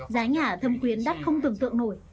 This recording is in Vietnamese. giá nhà thâm quyến đắt không tưởng tượng nổi